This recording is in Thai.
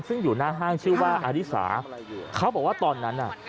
ซึ่งอยู่หน้าห้างชื่อว่าอาริสาเขาบอกว่าตอนนั้นน่ะ